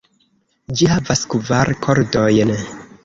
Ĝi havas kvar kordojn.